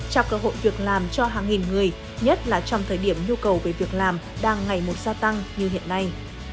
trao cơ hội việc làm cho hàng nghìn người nhất là trong thời điểm nhu cầu về việc làm đang ngày một gia tăng như hiện nay